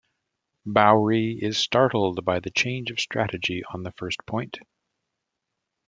Bowrey is startled by the change of strategy on the first point.